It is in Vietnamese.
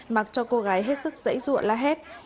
mặc cho cô gái hết sức dãy ruộng la hét